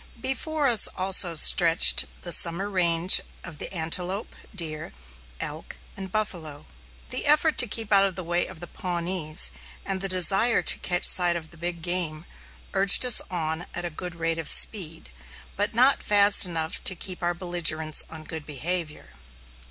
Before us also stretched the summer range of the antelope, deer, elk, and buffalo. The effort to keep out of the way of the Pawnees, and the desire to catch sight of the big game, urged us on at a good rate of speed, but not fast enough to keep our belligerents on good behavior.